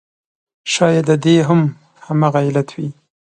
شاید د دې هم همغه علت وي.